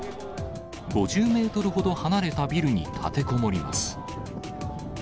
５０メートルほど離れたビルに立てこもります。